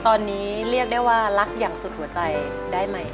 ตอนนี้เรียกได้ว่ารักอย่างสุดหัวใจได้ไหม